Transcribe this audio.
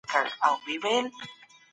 سازمانونه څنګه د ښځو حقونه خوندي ساتي؟